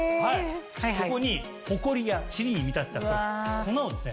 ここにホコリやちりに見立てた粉をですね